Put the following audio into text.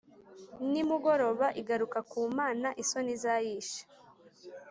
Nimugoroba igaruka ku Mana isoni zayishe,